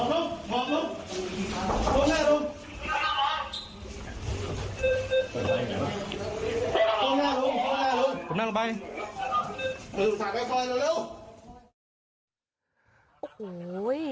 นั่งลงไป